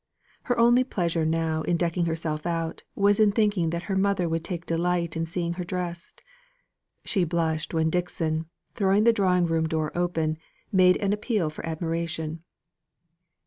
Her only pleasure now in decking herself out was in thinking that her mother would take delight in seeing her dressed. She blushed when Dixon, throwing the drawing room door open, made an appeal for admiration.